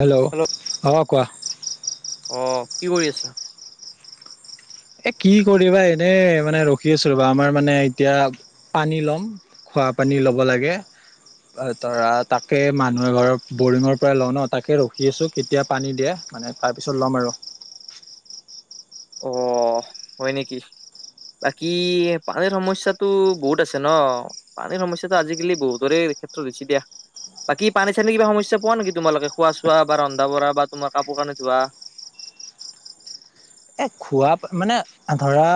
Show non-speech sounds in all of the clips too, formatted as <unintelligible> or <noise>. Hello! অ', কোৱা। অ', কি কৰি আছা? এ কি কৰিবা এনেই মানে ৰখি আছো ৰ'বা। আমাৰ মানে এতিয়া পানী ল'ম। খোৱা পানী ল'ব লাগে। ধৰা তাকে মানুহ এঘৰৰ বৰিঙৰ পৰা লওঁ ন। তাকে ৰখি আছোঁ কেতিয়া পানী দিয়ে। মানে তাৰপিছত ল'ম আৰু। অ', হয় নেকি? বাকী পানীৰ সমস্যাটো বহুত আছে ন। পানীৰ সমস্যাটো আজিকালি বহুতৰে ক্ষেত্ৰত হৈছে দিয়া। বাকী পানী-চানী কিবা সমস্যা পোৱা নেকি তোমালোকে, খোৱা-চোৱা বা ৰন্ধা-বঢ়া বা তোমাৰ কাপোৰ কাৰণে ধোৱা? এ খোৱা মানে ধৰা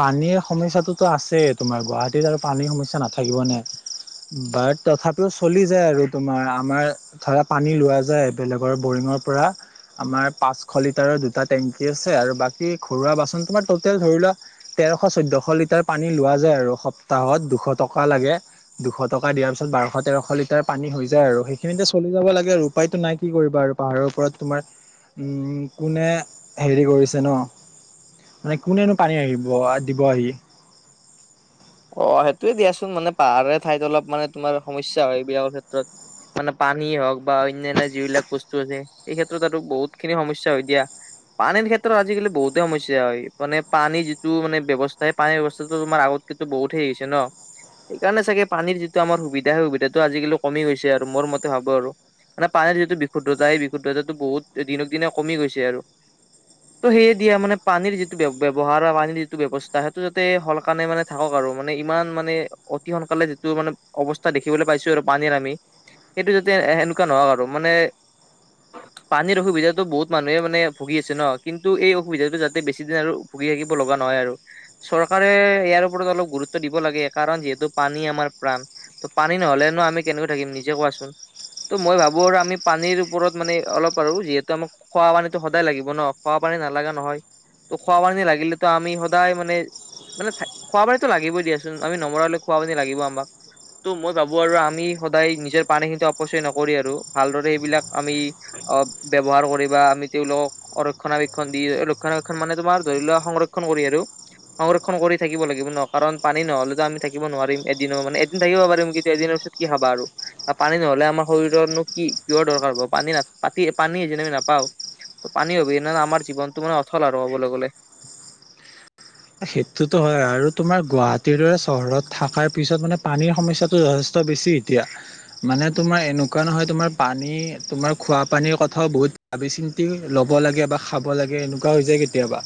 পানীৰ সমস্যাটোতো আছেই তোমাৰ। গুৱাহাটীত আৰু পানীৰ সমস্যা নাথাকিবনে। বাট তথাপিও চলি যায় আৰু তোমাৰ। আমাৰ ধৰা পানী লোৱা যায় বেলেগৰ বৰিঙৰ পৰা। আমাৰ পাঁচশ লিটাৰৰ দুটা টেংকি আছে। আৰু বাকী ঘৰুৱা বাচন তোমাৰ টটেল ধৰি লোৱা তেৰশ, চৈধ্যশ লিটাৰ পানী লোৱা যায় আৰু সপ্তাহত দুশ টকা লাগে। দুশ টকা দিয়াৰ পিছত বাৰশ তেৰশ লিটাৰ পানী হৈ যায় আৰু। সেইখিনিতে চলি যাব লাগে আৰু উপায়তো নাই কি কৰিবা আৰু। পাহাৰৰ পৰা তোমাৰ কোনে হেৰি কৰিছে ন। মানে কোনেনো পানী আহিব দিব আহি। অ', সেইটোয়ে দিয়াচোন। মানে পাহাৰীয়া ঠাইত অলপ মানে তোমাৰ সমস্যা হয় এইবিলাকৰ ক্ষেত্ৰত। মানে পানী হওক বা অন্যান্য যিবিলাক বস্তু আছে। এইক্ষেত্ৰত আৰু বহুত খিনি সমস্যা হৈ দিয়া। পানীৰ ক্ষেত্ৰত আজিকালি বহুতে সমস্যা হয়। মানে পানীৰ যিটো মানে ব্যৱস্থা সেই পানীৰ ব্যৱস্থাটো তোমাৰ আগত কিন্তু বহুত হেৰি হৈছে ন। সেইকাৰণে চাগে পানীৰ যিটো আমাৰ সুবিধা সেই সুবিধাটো আজিকালি কমি গৈছে আৰু। মোৰ মতে ভাবো আৰু। মানে পানীৰ যিটো বিশুদ্ধতা সেই বিশুদ্ধতাটো বহুত দিনক দিনে কমি গৈছে আৰু। ত' সেয়ে দিয়া মানে পানীৰ যিটো ব্য-ব্যৱহাৰ পানীৰ যিটো ব্যৱস্থা সেইটো যাতে সলকাণে মানে থাকক আৰু। মানে ইমান মানে অতি সোনকালে যিটো মানে অৱস্থা দেখিবলৈ পাইছো আৰু পানীৰ আমি। সেইটো যাতে সেনেকুৱা নহওক আৰু। মানে <inaudible> পানীৰ অসুবিধাটো বহুত মানুহে মানে ভুগি আছে ন। কিন্তু এই অসুবিধাটো যাতে বেছি দিন আৰু ভুগি থাকিব লগা নহয় আৰু। চৰকাৰে ইয়াৰ ওপৰত অলপ গুৰুত্ব দিব লাগে। কাৰণ যিহেতু পানী আমাৰ প্ৰাণ। ত'পানী নহ'লেনো আমি কেনেকৈ থাকিম নিজে কোৱাচোন। ত' মই ভাবো আৰু আমি পানীৰ ওপৰত মানে অলপ আৰু যিহেতু আমাক খোৱা পানী ত' সদায় লাগিব ন। খোৱা পানী নালাগা নহয়। ত' খোৱা পানী লাগিলেতো আমি সদায় মানে মানে খোৱা পানীতো লাগিবই দিয়াচোন। আমি নমৰালে খোৱা পানী লাগিব আমাক। ত' মই ভাবো আৰু আমি সদায় নিজৰ পানীখিনি অপচয় নকৰি আৰু ভালদৰে সেইবিলাক আমি অ', ব্যৱহাৰ কৰিবা আমি তেওঁলোকক। অ' ৰক্ষণাবেক্ষণ দি ৰক্ষণাবেক্ষণ মানে তোমাৰ ধৰি লোৱা, সংৰক্ষণ কৰি আৰু সংৰক্ষণ কৰি থাকিব লাগিব ন, কাৰণ পানী নহ'লেতো আমি থাকিব নোৱাৰিম এদিনো, মানে এদিন থাকিব পাৰিম কিন্তু এদিনৰ পিছত কি খাবা আৰু? পানী নহ'লে আমাৰ শৰীৰৰনো কিহৰ দৰকাৰ হ'ব, পানী পতি পানী যে আমি নাপাওঁ ত' পানীৰ অবিহনে আমাৰ জীৱনটো মানে অথল আৰু হ'বলৈ গ'লে। সেইটোতো হয়, আৰু তোমাৰ গুৱাহাটীৰ দৰে চহৰত থাকাৰ পিছত মানে পানীৰ সমস্যাটো যথেষ্ট বেছি এতিয়া। মানে তোমাৰ এনেকুৱা নহয় তোমাৰ পানী তোমাৰ খোৱা পানীৰ কথাও বহুত ভাবি চিন্তি ল'ব লাগে বা খাব লাগে এনেকুৱা হৈ যায় কেতিয়াবা।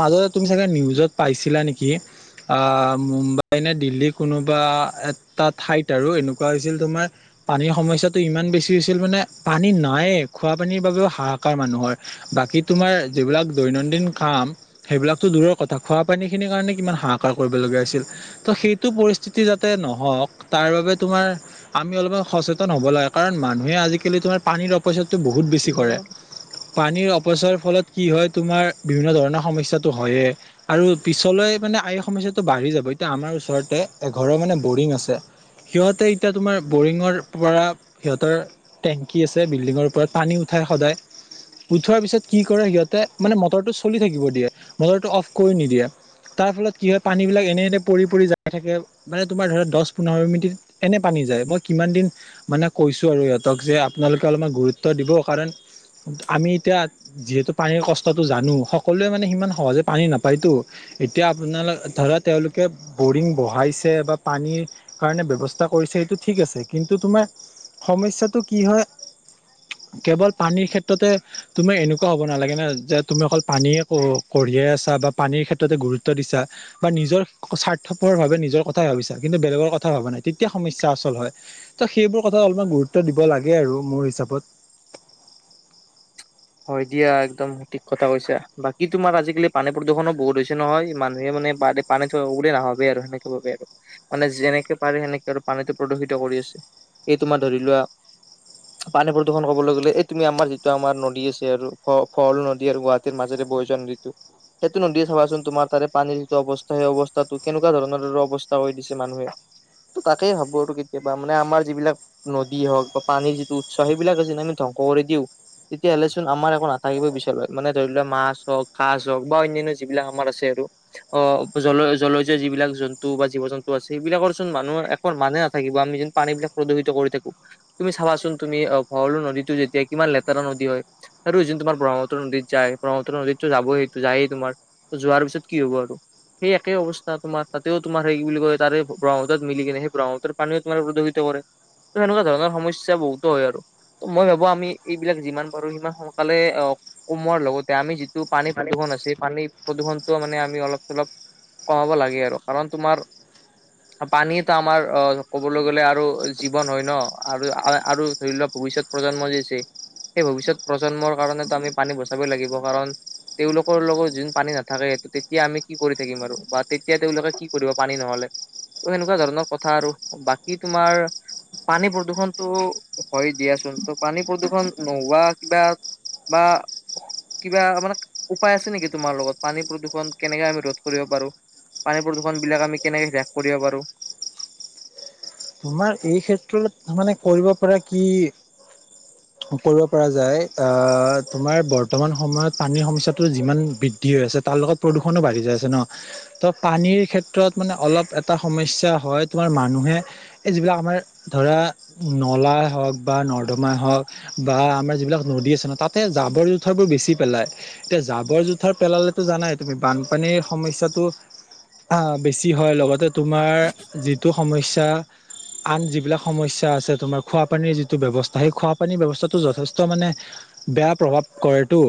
মাজতে তুমি চাগে নিউজত পাইছিলা নেকি? অ' মুম্বাই নে দিল্লী কোনোবা টা ঠাইত আৰু এনেকুৱা হৈছিল তোমাৰ পানীৰ সমস্যাটো ইমান বেছি হৈছিল মানে পানী নায়ে, খোৱা পানীৰ বাবেও হাহাকাৰ মানুহৰ। বাকী তোমাৰ যিবিলাক দৈনন্দিন কাম সেইবিলাকো দূৰৰ কথা। খোৱা পানীখিনিৰ কাৰণে কিমান হাহাকাৰ কৰিবলগীয়া হৈছিল। ত সেইটো পৰিস্থিতি যাতে নহওঁক, তাৰ বাবে তোমাৰ আমি অলপ সচেতন হ'ব লাগে, কাৰণ মানুহে আজিকালি তোমাৰ পানীৰ অপচয়টো বহুত বেছি কৰে। গ'লে পানীৰ অপচয়ৰ ফলত কি হয় তোমাৰ, বিভিন্ন ধৰণৰ সমস্যাটো হয়েই আৰু পিছলৈ মানে এই সমস্যাটো বাঢ়ি যাব। এতিয়া আমাৰ ওচৰতে এঘৰৰ মানে বৰিং আছে সিহঁতে এতিয়া তোমাৰ বৰিঙৰ পৰা সিহঁতৰ টেংকি আছে বিল্ডিঙৰ ওপৰত, পানী উঠাই সদায়। উঠোৱাৰ পিছত কি কৰে সিহঁতে মানে, মটৰটো চলি থাকিব দিয়ে মটৰটো অফ কৰি নিদিয়ে। তাৰ ফলত কি হয় পানী বিলাক এনেতে পৰি পৰি যাই থাকে। মানে তোমাৰ ধৰা দহ পোন্ধৰ মিনিটিত এনে পানী যায়। মই কিমান দিন মানে কৈছো আৰু সিহঁতক যে আপোনালোকে অলপমান গুৰুত্ব দিব। কাৰণ আমি এতিয়া যিহেতু পানীৰ কষ্টটো জানো, সকলোৱে মানে সিমান সহজে পানী নাপ পায়তো, এতিয়া আপোনাল ধৰা তেওঁলোকে বৰিং বহাইছে বা পানী কাৰণে ব্যৱস্থা কৰিছে এইটো ঠিক আছে। কিন্তু তোমাৰ সমস্যাটো কি হয় <unintelligible> কেৱল পানীৰ ক্ষেত্ৰতে তুমি এনেকুৱা হ'ব নালাগে ন যে তুমি অকল পানীয়ে কঢ়িয়ে আছা বা পানীৰ ক্ষেত্ৰতে গুৰুত্ব দিছা বা নিজৰ স্বাৰ্থপ ভাৱে নিজৰ কথাই ভাবিছা, কিন্তু বেলেগৰ কথা ভবা নাই, তেতিয়া সমস্যা আচল হয়। ত' সেইবোৰ কথাত অলপমান গুৰুত্ব দিব লাগে আৰু মোৰ হিচাপত। হয় দিয়া একদম ঠিক কথা কৈছা। বাকী তোমাৰ আজিকালি পানী প্ৰদূষণো বহুত হৈছে নহয়। মানুহে মানে প পানী থব বুলি নভাবেই আৰু সেনেকে ভাবে আৰু, মানে যেনেকে পাৰে সেনেকে আৰু পানীতটো প্ৰদূষিত কৰি আছে। এই তোমাৰ ধৰি লোৱা পানী প্ৰদূষণ কবলৈ গ'লে এই তুমি আমাৰ যিটো আমাৰ ন দী আছে আৰু ভৰলু নদী আৰু গুৱাহাটীৰ মাজেৰে বৈ যোৱা নদীতো। সেইটো নদীয়ে চাবাচোন তোমাৰ তাৰে পানীৰ যিটো অৱস্থা সেই অৱস্থাটো কেনেকুৱা ধৰণৰ অৱস্থা কৰি দিছে মানুহে। ত' তাকেই ভাবো আৰু কেতিয়াবা মানে আমাৰ যিবিলাক নদী হওঁক বা পানীৰ যিটো উৎস সেইবিলাক যে আমি ধ্বংস কৰি দিওঁ তেতিয়াহ'লে চোন আমাৰ একো নাথাকিব পিছৰ বাৰত, মানে ধৰি লোৱা মাছ হওঁক কাছ হওঁক বা অন্যান্য যিবিলাক আমাৰ আছে আৰু। অ' জলছৰ যিবিলাক জন্তু বা জীৱ জন্তু আছে, সেইবিলাকৰচোন মানুহ একবাৰে মানে নাথাকিব। আমি যে পানী বিলাক প্ৰদূষিত কৰি থাকো, তুমি চাবাচোন তুমি অ' ভৰলু নদীতো যেতিয়া কিমান লেতেৰা ন দী হয় আৰু যোনটো তোমাৰ ব্ৰহ্মপুত্ৰ নদীত যায়, ব্ৰহ্মপুত্ৰ নদীতো যাবই সেইটো যায়েই তোমাৰ যোৱাৰ পিছত কি হ'ব আৰু। সেই একেই অৱস্থা তোমাৰ, তাতে তোমাৰে কি বুলি ক তাৰে ব্ৰহ্মপুত্ৰ মিলি কিনে সেই ব্ৰহ্মপুত্ৰ পানীও তোমাৰ প্ৰদূষিত কৰে। তো, সেনেকুৱা ধৰণৰ সমস্যা বহুতো হয় আৰু তো মই ভাবোঁ আমি এইবিলাক যিমান পাৰু সিমান সোনকালে অ' কমোৱাৰ লগতে আমি যিটো পানী প্ৰদূষণ আছে পানী প্ৰদূষণটো মানে আমি অলপ চলপ। কমাব লাগে আৰু কাৰণ তোমাৰ। পানীতো আমাৰ অ' ক'বলৈ গ'লে আৰু জীৱন হয় ন আৰু আৰু ধৰি লোৱা ভৱিষ্যত প্ৰজন্ম যি আছে। সেই ভৱিষ্যত প্ৰজন্মৰ কাৰণেতো আমি পানী বচাবই লাগিব কাৰণ। তেওঁলোকৰ লগত যোন পানী নাথাকে, সেইটো তেতিয়া আমি কি কৰি থাকিম আৰু বা তেতিয়া তেওঁলোকে কি কৰিব পানী নহ'লে। তো সেনেকুৱা ধৰণৰ কথা আৰু বাকী তোমাৰ। পানী প্ৰদূৰ্ষণতটো হয় দিয়াচোন তো পানী প্ৰদূৰ্ষণ। নোহোৱা কিবা বা কিবা মানে উপায় আছে নেকি? তোমাৰ লগত পানী প্ৰদূষণ কেনেকে আমি ৰোধ কৰিব পাৰোঁ। পানী প্ৰদূষণ বিলাক আমি কেনেকে ব্যস কৰিব পাৰোঁ। তোমাৰ এই ক্ষেত্ৰত মানে কৰিব পৰা কি কৰিব পৰা যায়। আহ তোমাৰ বৰ্তমান সময়ত পানীৰ সমস্যাটো যিমান বৃদ্ধি হৈ আছে তাৰ লগত। প্ৰদূষণো বাঢ়ি যায় আছে ন। ত' পানীৰ ক্ষেত্ৰত মানে অলপ এটা সমস্যা হয়, তোমাৰ মানুহে এই যিবিলাক আমাৰ ধৰা নলাই হওঁক বা নৰ্দমাই হওঁক। বা আমাৰ যিবিলাক নদী আছে, তাতে, জাবৰ জোথৰ বোৰ বেছি পেলাই। এতিয়া, জাবৰ জোথাৰ পেলালেতো জানাই তুমি বানপানীৰ সমস্যাটো বেছি হয়। লগতে তোমাৰ যিটো সমস্যা। আন যিবিলাক সমস্যা আছে। তোমাৰ খোৱাপানীৰ যিটো ব্যৱস্থা, সেই খোৱাপানীৰ ব্যৱস্থাটো যথেষ্ট মানে বেয়া প্ৰভাৱ কৰেটো।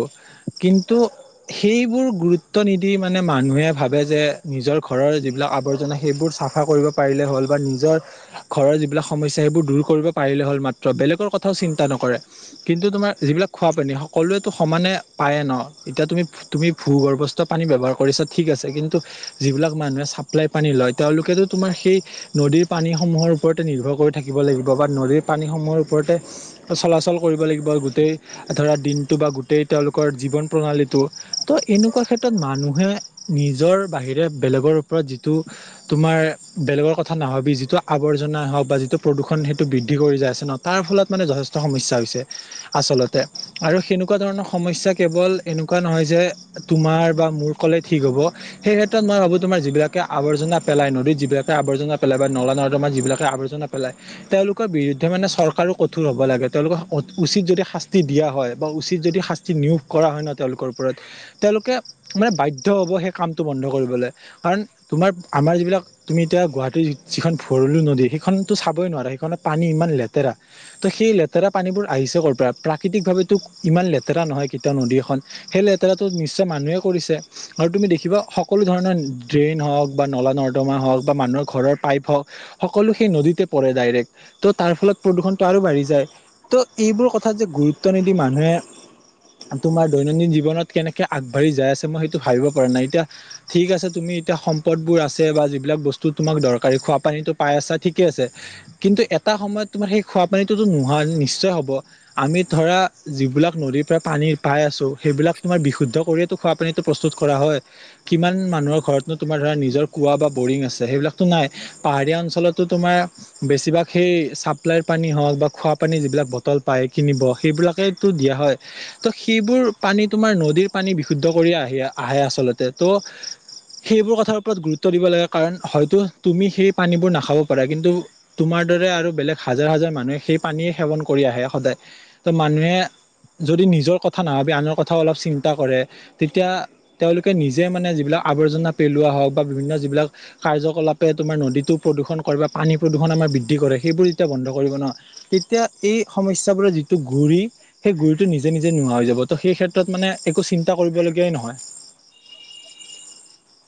কিন্তু সেইবোৰ গুৰুত্ব নিদি মানে মানুহে ভাবে যে নিজৰ ঘৰৰ যিবিলাক আৱৰ্জনা সেইবোৰ চাফ চাফা কৰিব পাৰিলে হ'ল বা নিজৰ। ঘৰৰ যিবিলাক সমস্যা, সেইবোৰ দূৰ কৰিব পাৰিলে হ'ল মাত্ৰ বেলেগৰ কথাও চিন্তা নকৰে। কিন্তু তোমাৰ যিবিলাক খোৱা পানী সকলোৱেতো সমানে পায়েই ন, এতিয়া তুমি তুমি ভূগৰ্ভস্থ পানী ব্যৱহাৰ কৰিছা ঠিক আছে। কিন্তু, যিবিলাক মানুহে চাপ্লাই পানী লয়, তেওঁলোকেতো তোমাৰ সেই নদীৰ পানী সমূহৰ ওপৰতে নিৰ্ভৰ কৰি থাকিব লাগিব, বা নদীৰ পানীসমূহৰ ওপৰতে চলাচল কৰিব লাগিব গোটেই। ধৰা দিনটো বা গোটেই তেওঁলোকৰ জীৱন প্ৰণালীটো ত' এনেকুৱা ক্ষেত্ৰত মানুহে। নিজৰ বাহিৰে বেলেগৰ ওপৰত যিটো, তোমাৰ বেলেগৰ কথা নাভাবি যিটো। আৱৰ্জনা হওঁক বা যিটো প্ৰদূষণ সেইটো বৃদ্ধি কৰি যায় আছে ন তাৰ ফলত মানে যথেষ্ট সমস্যা হৈছে। আচলতে আৰু সেনেকুৱা ধৰণৰ সমস্যা কেৱল। এনেকুৱা নহয় যে তোমাৰ বা মোৰ ক'লে ঠিক হ'ব। সেই ক্ষেত্ৰত মই ভাবোঁ, তোমাৰ যিবিলাকে আৰ্জনা পেলাই নদীত যিবিলাকে আৱৰ্জনা পেলাই বা নলা-নৰ্দমাত তোমাৰ যিবিলাকে আৱৰ্জনা পেলাই। তেওঁলোকৰ বিৰুদ্ধে মানে চৰকাৰো কঠোৰ হ'ব লাগে। তেওঁলোকক উচিত যদি শাস্তি দিয়া হয় বা উচিত যদি শাস্তি যি নিয়োগ কৰা হয় ন তেওঁলোকৰ ওপৰত তেওঁলোকে মানে বাধ্য হ'ব সেই কামটো বন্ধ কৰিবলৈ। কাৰণ তোমাৰ আমাৰ যিবিলাক তুমি এতিয়া গুৱাহাটীৰ যিখন ভৰুলো নদী সেইখনতো চাবই নোৱাৰা, সেইখনত পানী ইমান লেতেৰা। তো সেই লেতেৰা পানীবোৰ আহিছে ক'ৰ পৰা, প্ৰাকৃতিকভাৱেতো ইমান লেতেৰা নহয় কেতিয়াও নদী এখন। সেই লেতেৰাটো নিশ্চয় মানুহে কৰিছে। আৰু তুমি দেখিবা সকলো ধৰণৰ ড্ৰেইন হওঁক বা ন'লা নৰ্দমা হওক বা মানুহৰ ঘৰৰ পাইপ হওঁক সকলো সেই নদীতে পৰে ডাইৰেক্ট ত' তাৰ ফলত প্ৰদূৰষণটো আৰু বাঢ়ি যায়। ত, এইবোৰ কথা যে গুৰুত্ব নিদি মানুহে তোমাৰ দৈনন্দিন জীৱনত কেনেকে আগবাঢ়ি যাই আছে মই সেইটো ভাবিব পৰা নাই এতিয়া ঠিক আছে, তুমি এতিয়া সম্পদবোৰ আছে বা যিবিলাক বস্তু তোমাক দৰকাৰী খোৱা পানীটো পাই আছা ঠিকে আছে, কিন্তু এটা সময়ত তোমাৰ সেই খোৱা পানীটোতো নোহোৱা নিশ্চয় হ'ব। আমি ধৰা যিবিলাক নদীৰ পৰা পানী পাই আছো, সেইবিলাক তোমাৰ বিশুদ্ধ কৰিয়ো খোৱা পানীটো প্ৰস্তুত কৰা হয়। কিমান মানুহৰ ঘৰতনো তোমাৰ ধৰা নিজৰ কুৱা বা বৰিং আছে সেইবিলাকতো নাই। পাহাৰীয়া অঞ্চলতো তোমাৰ বেছিভাগ সেই চাপ্লাইৰ পানী হ'ওক বা খোৱা পানী যিবিলাক বটল পায় কিনিব সেইবিলাকেই টো দিয়া হয়। ত' সেইবোৰ পানী তোমাৰ নদীৰ পানী বিশুদ্ধ কৰি আহি আহে আচলতে ত, সেইবোৰ কথাৰ ওপৰত গুৰুত্ব দিব লাগে কাৰণ, হয়তো তুমি সেই পানীবোৰ নাখাব পাৰা, কিন্তু তোমাৰ দৰে আৰু বেলেগ হাজাৰ, হাজাৰ মানুহে সেই পানীয়ে সেৱন কৰি আহে সদায় ত, মানুহে যদি নিজৰ কথা নাভাবি আনৰ কথাও অলপ চিন্তা কৰে। তেতিয়া তেওঁলোকে নিজে মানে যিবিলাক আৱৰ্জনা পেলোৱা হওক বা বিভিন্ন যিবিলাক কাৰ্যকলাপে তোমাৰ নদীতটো প্ৰদূষণ কৰে বা পানী প্ৰদূষণ আমাৰ বৃদ্ধি কৰে, সেইবোৰ যেতিয়া বন্ধ কৰিব নহয়। তেতিয়া এই সমস্যবোৰৰ যিটো ঘূৰি সেই গুৰিটো নিজে, নিজে নোহোৱা হৈ যাব ত, সেই ক্ষেত্ৰত মানে একো চিন্তা কৰিবলগীয়াই নহয়।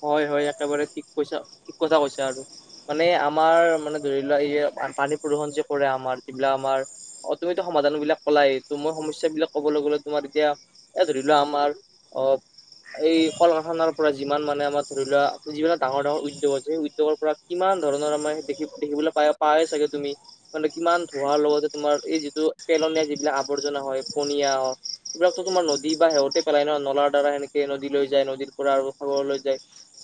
হয় হয় একেবাৰে ঠিক কৈছা, ঠিক কথা কৈছে আৰু। মানে আমাৰ মানে ধৰি লোৱা ই পানী প্ৰদূষণ যে কৰে আমাৰ যিবিলাক আমাৰ অ, তুমিতো সমাধান বিলাক কলাই মই সমস্যা বিলাক কবলৈ গ'লে তোমাৰ এতিয়া এ, ধৰি লোৱা আমাৰ অ, এই কলকাৰখানাৰ পৰা যিমান মানে আমাৰ ধৰি লোৱা, যিবিলাক ডাঙৰ, ডাঙৰ উদ্যোগ আছে সেই উদ্যোগৰ পৰা কিমান ধৰণৰ আমাৰ দেখি দেখিবলৈ পাই, পাই চাগে তুমি। মানে কিমান ধোৱাৰ লগতে তোমাৰ এই যিটো পেলনীয়া যিবিলাক আৱৰ্জনা হয় পনীয়া এইবিলাকতো তোমাৰ নদী বা শেহঁতে পেলাই নহয় নলাৰ দ্বাৰা সেনেকেদী লৈ যায়, নদীৰ পৰা আৰু খাগৰ লৈ যায়।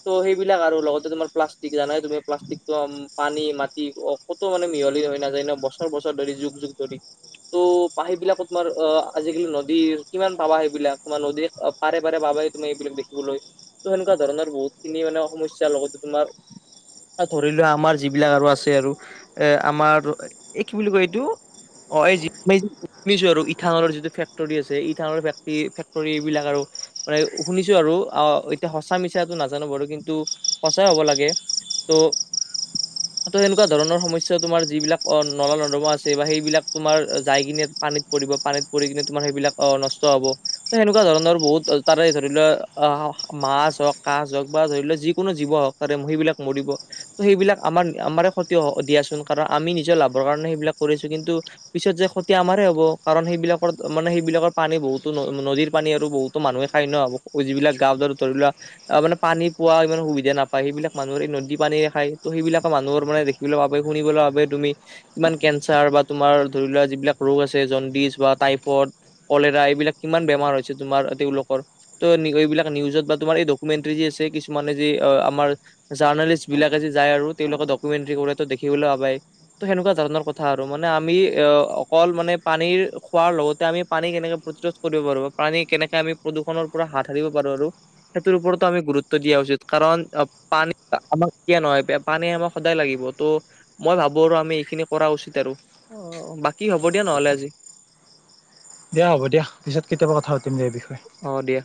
ত, সেইবিলাক আৰু লগতে তোমাৰ প্লাষ্টিক জানাই তুমি প্লাষ্টিকটো পানী, মাটি অ, ক'তো মানে মিহলি হয় নাযায় ন, বছৰ বছৰ ধৰি যুগ যুগ ধৰি। ত, পাহেই বিলাকো তোমাৰ অ, আজিকালি নদীৰ কিমান পাব সেই বিলাক তোমাৰ নদী পাৰে বাৰে, পাবাই তুমি এইবিলাক দেখিবলৈ ত সেনেকুৱা ধৰণৰ বহুত খিনি মানে সমস্যাৰ লগতে তোমাৰ ধৰি লোৱা আমাৰ যিবিলাক আৰু আছে আৰু এ, আমাৰ এই কি বুলি কয়, এইটো অ, এই শুছো আৰু ইথানল যিটো ফেক্টৰী আছে, ইথানল ফেক্টৰী বিলাক আৰু মানে শুনিছো আৰু অ, এতিয়া সঁচা মিছাটো নাজানো বাৰু কিন্তু সঁচাই হ'ব লাগে। ত, <unintelligible> ত, সেনেকুৱা ধৰণৰ সমস্যা তোমাৰ যিবিলাক নলা নৰ্দমা আছে বা সেইবিলাক তোমাৰ যাই কিনে পানীত পৰিব পানীত পৰি কিনে তোমাৰ সেইবিলাক নষ্ট হ'ব ত, সেনেকুৱা ধৰণৰ বহুত তাৰে ধৰি লোৱা। আহ, মাছ হ'ওক, কাজ হ'ওক বা ধৰি লোৱাক যিকোনো জীৱ হ'ওক তাৰে সেইবিলাক মৰিব। ত, সেইবিলাক আমাৰ আমাৰে ক্ষতি দিয়াচোন কাৰণ আমি নিজৰ লাভৰ কাৰণে সেইবিলাক কৰিছো কিন্ত পিছত যে ক্ষতি আমাৰ হ'ব, কাৰণ সেইবিলাকৰ মানে, সেইবিলাকৰ পানী বহুতো নদীৰ পানী আৰু বহুত মানুহে খাই ন, যিবিলাক গা, ধত ধৰি লোৱা অ, মানে পানী পোৱা ইমান সুবিধা নাপায় সেইবিলাক মানুহৰে নদী পানীয়েৰে খত সেইবিলাকে মানুহৰ মানে সবিল, ভাবে শুনিবলৈ ভাবে, তুমি কিমান কেঞ্চাৰ বা তোমাৰ ধৰি লোৱা, যিবিলাক ৰোগ আছে জণ্ডিছ বা টাইফইড। কলেৰা, এইবিলাক কিমান বেমাৰ হৈছে, তোমাৰ তেওঁলোকৰ। ত' <unintelligible> এইবিলাক নিউজত বা তোমাৰ, এই ডকুমেণ্টৰী যে আছে, কিছুমানে যে আমাৰ জাৰ্ণালিষ্ট বিলাকে যে, যায় আৰু তেওঁলোকে ডকুমেণ্টৰী কৰে দেখিবলৈ পাবাই। ত' সেনেকুৱা ধৰণৰ কথা আৰু, মানে আমি অ', অকল মানে পানীৰ খোৱাৰ লগতে, আমি পানী কেনেকে প্ৰতিৰোধ কৰিব পাৰোঁ। পানী কেনেকে আমি প্ৰদূষণৰ পৰা হাত সাৰিব পাৰো আৰু। সেইটোৰ ওপৰতো আমি গুৰুত্ব দিয়া উচিত। কাৰণ, <unintelligible> পানী আমাক সদায় লাগিব। ত' মই ভাবোঁ আৰু আমি এইখিনি কৰা উচিত আৰু। অ', বাকী হ'ব দিয়া নহ'লে আজি। দিয়া হ'ব দিয়া, পিছত কেতিয়াবা কথা পাতিম এই বিষয়ে। অ', দিয়া।